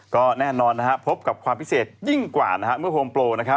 ก็แน่นอนพบกับความพิเศษยิ่งกว่าเมื่อโฮมโปร